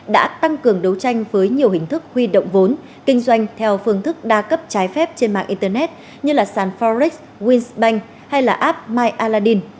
đã tăng cường đấu tranh với nhiều hình thức huy động vốn kinh doanh theo phương thức đa cấp trái phép trên mạng internet như sanforex winsbank hay app myaladdin